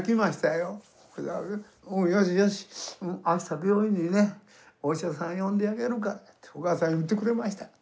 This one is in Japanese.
「よしよしあした病院にねお医者さん呼んであげるから」とお母さん言ってくれましたよ。